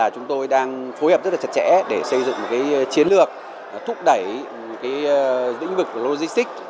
chúng tôi đang phối hợp rất là chặt chẽ để xây dựng chiến lược thúc đẩy lĩnh vực logistics